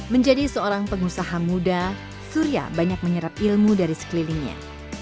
menjadi seorang pengusaha muda surya banyak menyerap ilmu dari sekelilingnya